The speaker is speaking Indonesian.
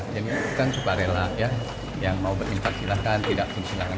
jadi itu kan sukarela yang mau berinfak silakan tidak pun silakan